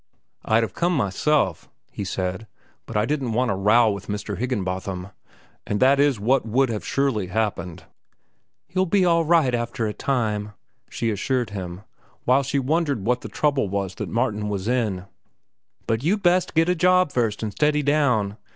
"I'd have come myself," he said. "But I didn't want a row with Mr. Higginbotham, and that is what would have surely happened." "He'll be all right after a time," she assured him, while she wondered what the trouble was that Martin was in. "But you'd best get a job first an' steady down.